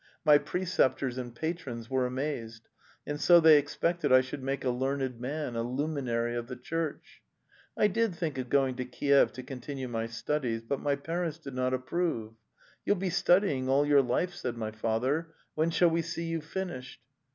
My preceptors and patrons were amazed, and so they expected I should make a learned man, a luminary of the Church. I did think of going to Kiev to continue my studies, but my parents did not approve. 'You'll be studying all your life,' said my father; 'when shall we see you finished?